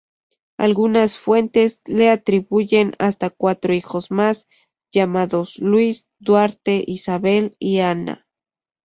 Algunas fuentes le atribuyen hasta cuatro hijos más, llamados Luis, Duarte, Isabel y Ana.